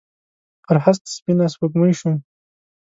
پر هسک سپینه سپوږمۍ شوم